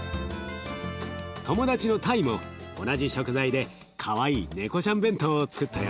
友達のタイも同じ食材でかわいい猫ちゃん弁当をつくったよ。